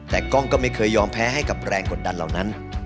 แต่กล้องก็ไม่เคยยอมแพ้ให้กับแรงกดดันเหล่านั้น